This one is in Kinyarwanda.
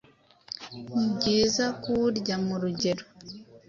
ni byiza kuwurya mu rugero